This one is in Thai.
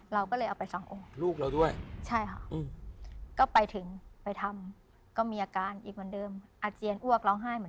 เราก็เลยเอาไปสององค์